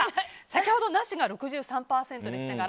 先ほどなしが６３％でしたが。